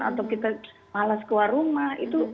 atau kita males keluar rumah